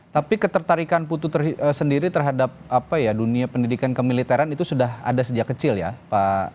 tapi ketertarikan putu sendiri terhadap dunia pendidikan kemiliteran itu sudah ada sejak kecil ya pak